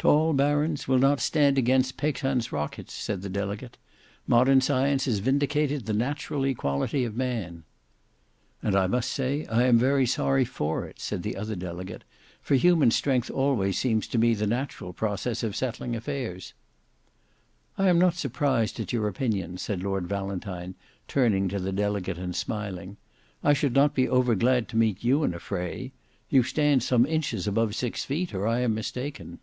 "Tall barons will not stand against Paixhans rockets," said the delegate. "Modern science has vindicated the natural equality of man." "And I must say I am very sorry for it," said the other delegate; "for human strength always seems to me the natural process of settling affairs." "I am not surprised at your opinion," said Lord Valentine, turning to the delegate and smiling. "I should not be over glad to meet you in a fray. You stand some inches above six feet, or I am mistaken."